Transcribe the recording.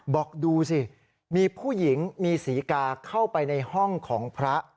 บอกดูสิมีผู้หญิงมีศรีกาเข้าไปในห้องของพระ